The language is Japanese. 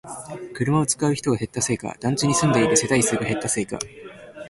車を使う人が減ったせいか、団地に住んでいる世帯数が減ったせいか